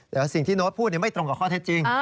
แต่สิ่งที่โน้ตพูดไม่ตรงกับข้อเท็จจริง